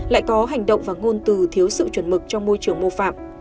lại có hành động và ngôn từ thiếu sự chuẩn mực trong môi trường mô phạm